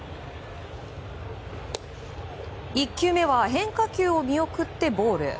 １球目は変化球を見送ってボール。